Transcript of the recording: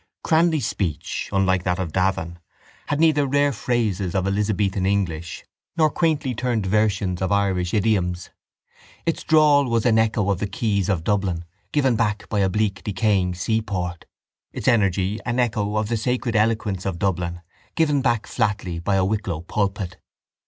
Cranly's speech, unlike that of Davin, had neither rare phrases of Elizabethan English nor quaintly turned versions of Irish idioms. Its drawl was an echo of the quays of Dublin given back by a bleak decaying seaport, its energy an echo of the sacred eloquence of Dublin given back flatly by a Wicklow pulpit.